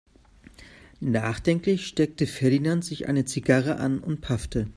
Nachdenklich steckte Ferdinand sich eine Zigarre an und paffte.